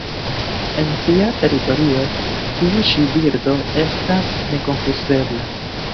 En sia teritorio, tiu ĉi birdo estas nekonfuzebla.